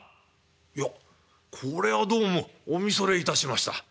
「いやこれはどうもお見それいたしました。